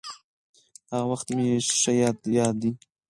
هغه وخت مې ښه ياد دي.